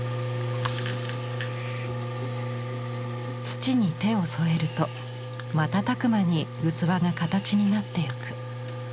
土に手を添えると瞬く間に器が形になっていく。